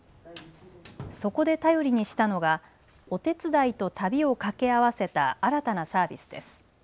そこで頼りにしたのがお手伝いと旅を掛け合わせた新たなサービスです。